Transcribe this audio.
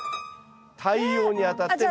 太陽に当たって。